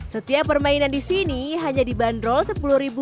setiap permainan disini hanya dibanderol sepuluh ribu rupiah saja